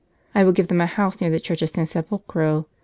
I will give them a house near the Church of San Sepolcro.